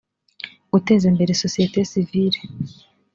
guteza imbere sosiyete sivile